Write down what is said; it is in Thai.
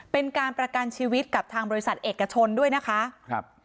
เป็นการประกันชีวิตกับทางบริษัทเอกชนด้วยนะคะครับ